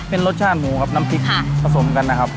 เป็นรสชาติหมูครับน้ำพริกผสมกันนะครับ